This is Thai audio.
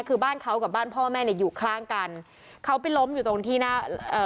คือบ้านเขากับบ้านพ่อแม่เนี่ยอยู่ข้างกันเขาไปล้มอยู่ตรงที่หน้าเอ่อ